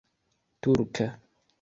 turka